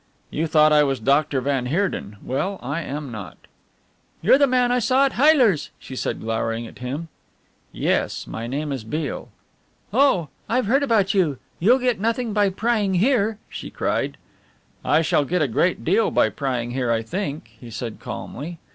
"You thought I was Doctor van Heerden? Well, I am not." "You're the man I saw at Heyler's," she said, glowering at him. "Yes, my name is Beale." "Oh, I've heard about you. You'll get nothing by prying here," she cried. "I shall get a great deal by prying here, I think," he said calmly.